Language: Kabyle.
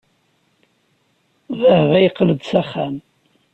Baba yeqqel-d s axxam.